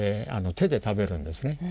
手で食べるんですね。